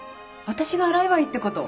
私が洗えばいいってこと？